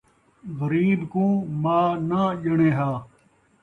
غریب کوں ماء ناں ڄݨے ہا